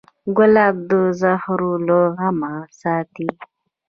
ګلاب د زهرو له غمه ساتي.